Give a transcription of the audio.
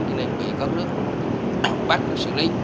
thì nên bị các nước bắt được xử lý